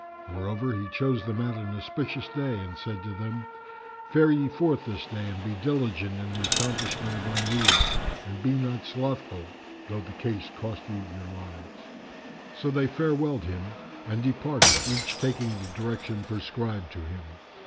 Moreover, he chose them out an auspicious day and said to them, "Fare ye forth this day and be diligent in the accomplishment of my need and be not slothful, though the case cost you your lives." So they farewelled him and departed, each taking the direction prescribed to him.